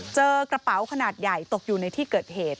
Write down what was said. เจอกระเป๋าขนาดใหญ่ตกอยู่ในที่เกิดเหตุ